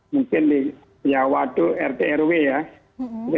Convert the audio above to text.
mungkin di yawadu rt rw ya